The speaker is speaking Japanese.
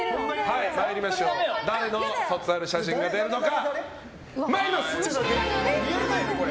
誰の卒アル写真が出るのか。